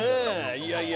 いやいや